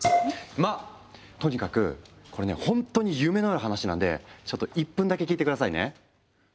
まあとにかくこれねほんとに夢のある話なんでちょっと１分だけ聞いて下さいね。